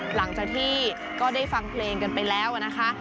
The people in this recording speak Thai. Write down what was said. หลังจากที่ก็ได้ฟังเพลงกันไปแล้วนะคะ